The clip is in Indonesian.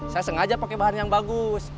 saya sengaja pakai bahan yang bagus